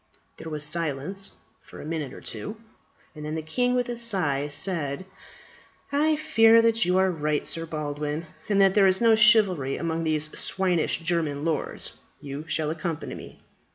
There was silence for a minute or two, and then the king with a sigh, said, "I fear that you are right, Sir Baldwin, and that there is no chivalry among these swinish German lords. You shall accompany me.